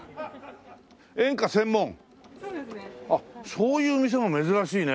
あっそういう店も珍しいね。